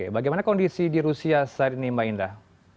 bagaimana kondisi di rusia saat ini mbak indah